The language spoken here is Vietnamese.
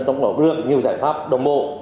trong đó được nhiều giải pháp đồng bộ